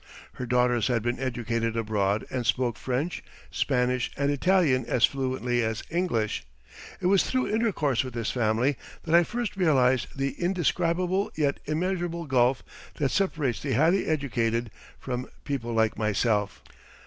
Her daughters had been educated abroad and spoke French, Spanish, and Italian as fluently as English. It was through intercourse with this family that I first realized the indescribable yet immeasurable gulf that separates the highly educated from people like myself.